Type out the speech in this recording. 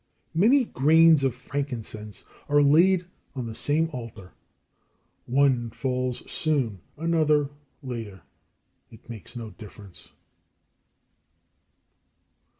15. Many grains of frankincense are laid on the same altar. One falls soon, another later. It makes no difference.